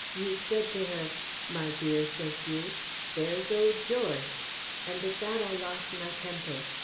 "You said to her, 'My dear,' says you, 'there's old George,'" and at that I lost my temper.